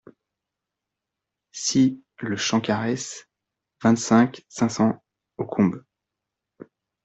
six le Champ Quaresse, vingt-cinq, cinq cents aux Combes